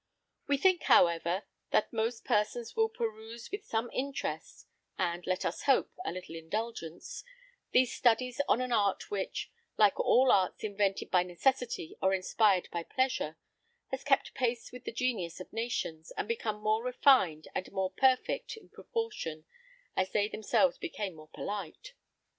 We think, however, that most persons will peruse with some interest (and, let us hope, a little indulgence) these studies on an art which, like all arts invented by necessity or inspired by pleasure, has kept pace with the genius of nations, and became more refined and more perfect in proportion as they themselves became more polite.